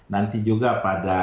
nanti juga pada